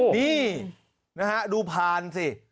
นี่นะฮะดูพานสิ